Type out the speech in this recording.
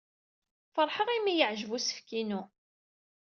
Feṛḥeɣ imi ay yeɛjeb usefk-inu.